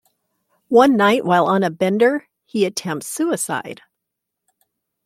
One night while on a bender, he attempts suicide.